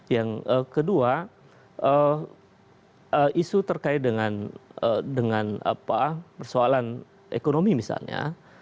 yang kedua isu terkait dengan persoalan ekonomi misalnya